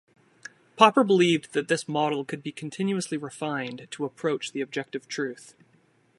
Popper believed that this model could be continuously refined to approach the objective truth.